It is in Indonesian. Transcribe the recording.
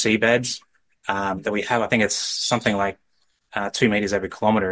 saya pikir itu adalah sesuatu seperti dua meter setiap kilometer